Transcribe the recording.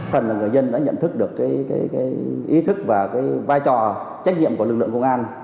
phần người dân đã nhận thức được ý thức và vai trò trách nhiệm của lực lượng công an